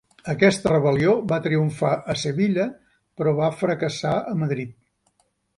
Aquesta rebel·lió va triomfar a Sevilla però va fracassar a Madrid.